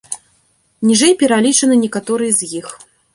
Ніжэй пералічаны некаторыя з іх.